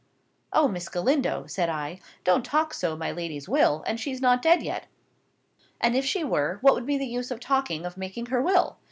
"O, Miss Galindo!" said I, "don't talk so my lady's will! and she not dead yet." "And if she were, what would be the use of talking of making her will?